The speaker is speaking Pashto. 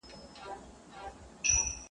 ماسومان ترې تېرېږي وېرېدلي ډېر-